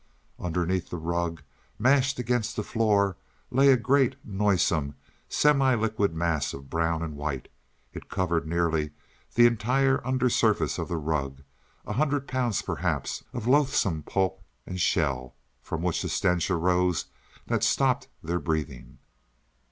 Underneath the rug, mashed against the floor, lay a great, noisome, semi liquid mass of brown and white. It covered nearly the entire under surface of the rug a hundred pounds, perhaps, of loathsome pulp and shell, from which a stench arose that stopped their breathing.